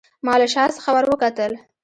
ما له شا څخه وروکتل.